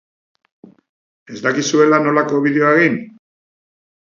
Ez dakizuela nolako bideoa egin?